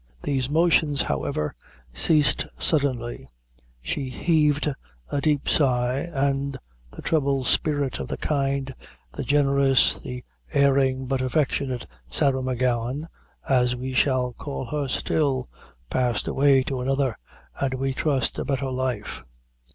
These motions, however, ceased suddenly she heaved a deep sigh, and the troubled spirit of the kind, the generous, the erring, but affectionate Sarah M'Gowan as we shall call her still passed away to another, and, we trust, a better life.